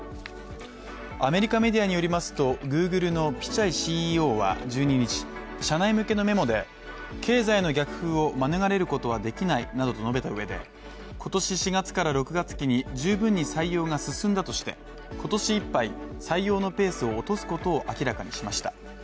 アメリカメディアによりますとＧｏｏｇｌｅのピチャイＣＥＯは１２日、社内向けのメモで経済の逆風を免れることはできないと述べた上で今年４月から６月期に十分に採用が進んだとしてことしいっぱい、採用のペースを落とすことを明らかにしました。